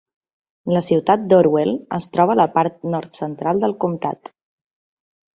La ciutat d'Orwell es troba a la part nord-central del comtat.